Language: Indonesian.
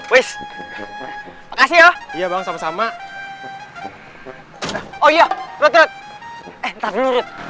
wesss makasih ya iya bang sama sama oh iya rud rud eh entar dulu rud